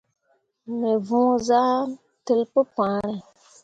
Me võo zan tel pu pããre.